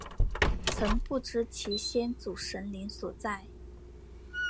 曾不知其先祖神灵所在。